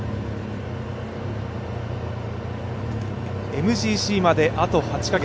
ＭＧＣまであと８か月。